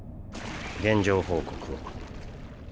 現状報告を。